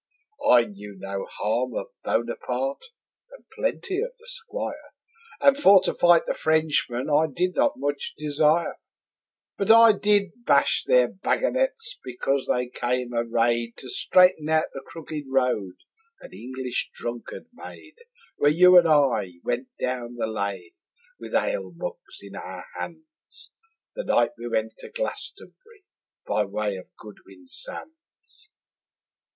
I knew no harm of Bonaparte and plenty of the Squire, And for to fight the Frenchman I did not much desire; But I did bash their baggonets because they came arrayed To straighten out the crooked road an English drunkard made, Where you and I went down the lane with ale mugs in our hands, The night we went to Glastonbury by way of Goodwin Sands.